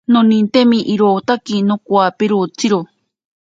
Nonintemi irotaki nokowaperotsiri.